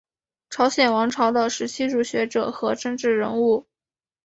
朝鲜王朝的时期儒学者和政治人物。